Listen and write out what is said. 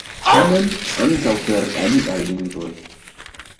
Tamen, ankaŭ per aliaj lingvoj